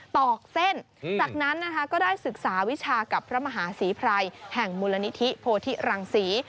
ตอกเส้นจากนั้นนะคะก็ได้ศึกษาวิชากับพระมหาศรีไพรแห่งมูลนิธิโพธิรังศรี